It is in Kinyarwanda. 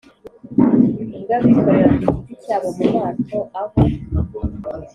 ubw abikorera ku giti cyabo mu mato aho